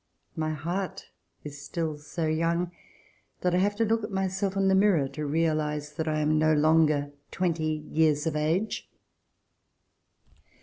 My heart is still so young that I have to look at myself in the mirror to realize that I am no longer twenty years of age.